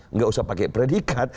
tidak usah pakai predikat